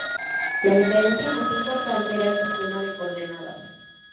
La diferencia más importante era el sistema de coordenadas.